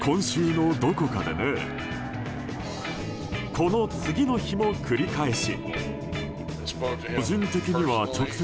この次の日も、繰り返し。